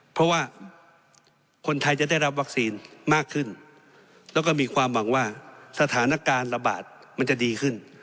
เพราะว่าคนไทยจะได้รับวัคซีนมากขึ้นแล้วก็มีความหวังว่าสถานการณ์ระบาดมันจะดีขึ้น